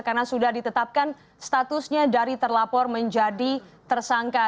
karena sudah ditetapkan statusnya dari terlapor menjadi tersangka